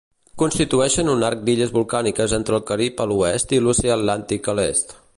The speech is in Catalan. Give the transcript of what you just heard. Constitueixen un arc d'illes volcàniques entre el Carib a l'oest i l'Oceà Atlàntic a l'est.